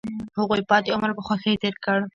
هغوی پاتې عمر په خوښۍ تیر کړ.